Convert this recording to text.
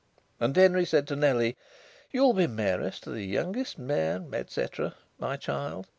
And Denry said to Nellie: "You'll be mayoress to the youngest mayor, etc., my child.